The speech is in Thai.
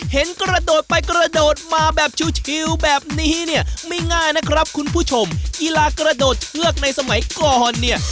เห็นกระโดดไปกระโดดมาแบบชิวแบบนี้เนี่ยไม่ง่ายนะครับคุณผู้ชมกีฬากระโดดเชือกในสมัยก่อนเนี่ย